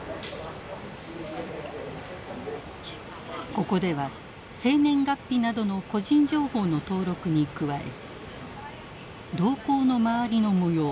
ここでは生年月日などの個人情報の登録に加え瞳孔の周りの模様